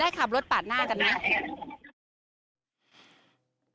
ขับรถปาดหน้ากันไหม